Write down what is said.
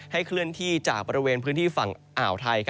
เคลื่อนที่จากบริเวณพื้นที่ฝั่งอ่าวไทย